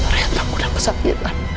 retno sudah kesakitan